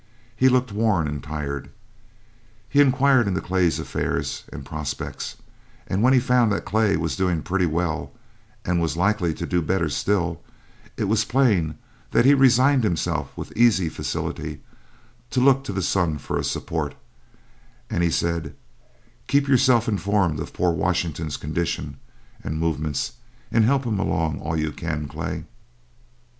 He looked worn and tired. He inquired into Clay's affairs and prospects, and when he found that Clay was doing pretty well and was likely to do still better, it was plain that he resigned himself with easy facility to look to the son for a support; and he said, "Keep yourself informed of poor Washington's condition and movements, and help him along all you can, Clay."